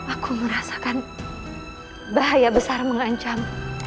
aku merasakan bahaya besar mengancam